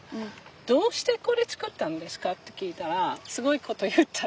「どうしてこれ作ったんですか？」って聞いたらすごいこと言ったよ。